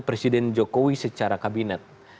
presiden jokowi secara kabinet